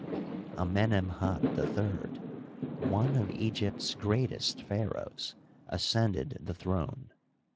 Amenemhat III, one of Egypt's great est pharaohs, ascended the throne.